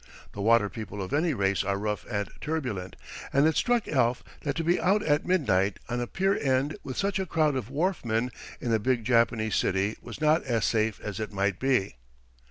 The water people of any race are rough and turbulent, and it struck Alf that to be out at midnight on a pier end with such a crowd of wharfmen, in a big Japanese city, was not as safe as it might be.